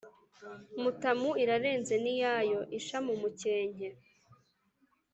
Mutamu irarenze n'iyayo-Isha mu mukenke.